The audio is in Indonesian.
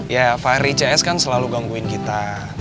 ya fahri cs kan selalu gangguin kita